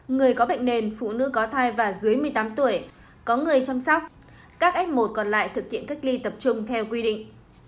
người có bệnh nền phụ nữ có thai và dưới một mươi tám tuổi có người chăm sóc các f một còn lại thực hiện cách ly tập trung theo quy định